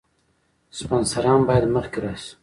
سپانسران باید مخکې راشي.